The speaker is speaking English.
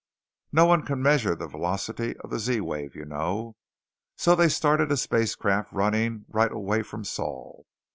"No one can measure the velocity of the Z wave, you know. So they started a spacecraft running right away from Sol.